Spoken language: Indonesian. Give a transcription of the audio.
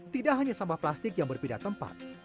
tidak hanya sampah plastik yang berpindah tempat